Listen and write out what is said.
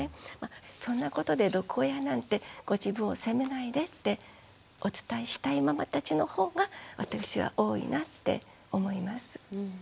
そんなことで毒親なんてご自分を責めないでってお伝えしたいママたちの方が私は多いなって思います。